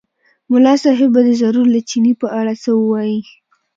ملا صاحب به دی ضرور له چیني په اړه څه ووایي.